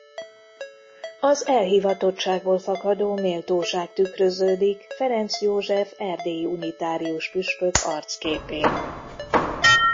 Az elhivatottságból fakadó méltóság tükröződik Ferencz József erdélyi unitárius püspök arcképén.